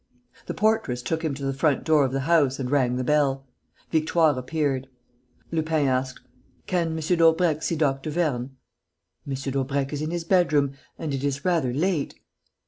The portress took him to the front door of the house and rang the bell. Victoire appeared. Lupin asked: "Can M. Daubrecq see Dr. Vernes?" "M. Daubrecq is in his bedroom; and it is rather late...."